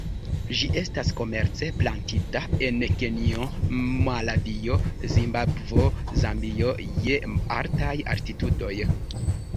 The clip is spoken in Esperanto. Ĝi estas komerce plantita en Kenjo, Malavio, Zimbabvo, Zambio je altaj altitudoj.